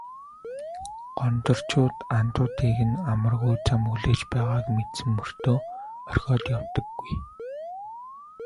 Гондорчууд андуудыг нь амаргүй зам хүлээж байгааг мэдсэн мөртөө орхиод явдаггүй.